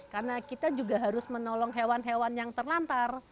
karena kita juga harus menolong hewan hewan yang terlantar